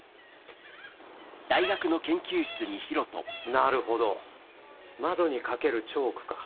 なるほど窓に描けるチョークか。